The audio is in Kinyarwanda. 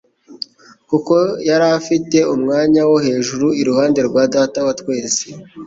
kuko yari afite umwanya wo hejruu iruhande rwa Data wa twese.